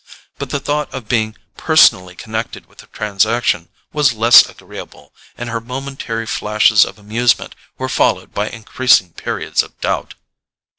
But the thought of being personally connected with the transaction was less agreeable; and her momentary flashes of amusement were followed by increasing periods of doubt.